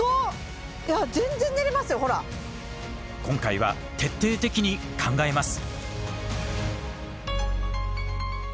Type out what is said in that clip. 今回は徹底的に考えます。